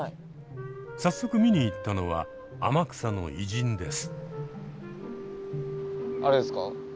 早速見に行ったのは天草の偉人です。